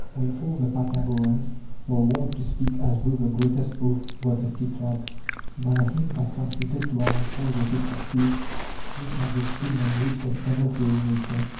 Wherefore the Pythagoreans were wont to speak as though the greatest oath were the tetrad: 'By him that transmitted to our soul the tetraktys, which has the spring and root of ever flowing nature.